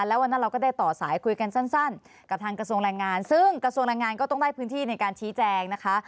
แล้ววันนั้นเราก็ได้ต่อสายคุยกันสั้นกับทางกระทรวงแรงงานซึ่งกระทรวงแรงงานก็ต้องได้พื้นที่ในการชี้แจงนะคะ